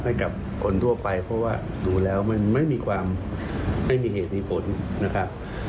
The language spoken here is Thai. ให้กับคนทั่วไปเพราะว่าหนูแล้วมันไม่มีเหตุผลนะครับ